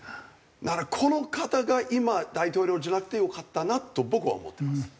だからこの方が今大統領じゃなくてよかったなと僕は思ってます。